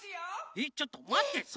えっちょっとまって。